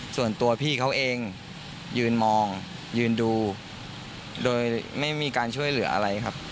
ส่วนตัวพี่เขาเองยืนมองยืนดูโดยไม่มีการช่วยเหลืออะไรครับ